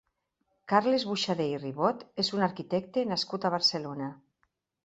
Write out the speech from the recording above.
Carles Buxadé i Ribot és un arquitecte nascut a Barcelona.